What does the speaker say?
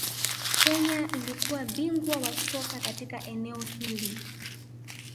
Kenya ilikuwa bingwa wa soka katika eneo hili